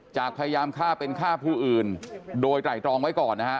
พยายามฆ่าเป็นฆ่าผู้อื่นโดยไตรตรองไว้ก่อนนะฮะ